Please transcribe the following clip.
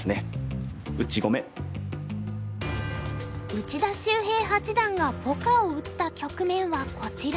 内田修平八段がポカを打った局面はこちら。